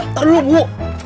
tentang lo bu